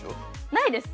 ないです。